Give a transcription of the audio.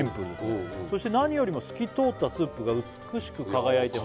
「そして何よりも透き通ったスープが美しく輝いてました」